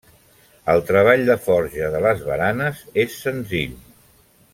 El treball de forja de les baranes és senzill.